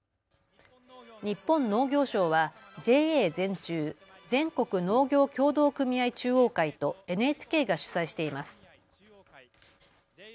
日本農業賞はＪＡ全中・全国農業協同組合中央会とＮＨＫが主催しています。